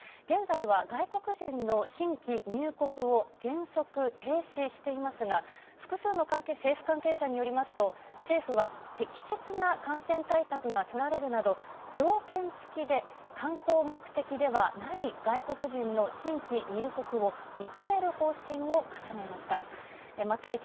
現在は外国人の新規入国を原則停止していますが、複数の政府関係者によりますと、政府は適切な感染対策が取られるなど、条件付きで観光目的ではない外国人の新規入国を、認める方針を固めました。